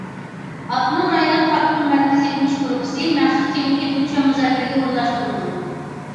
ئاپتونوم رايونلۇق پارتكوم مەركىزىي ئۆگىنىش گۇرۇپپىسى مەخسۇس تېمىدىكى ئۆگىنىش ۋە مۇزاكىرىگە ئورۇنلاشتۇرىدۇ.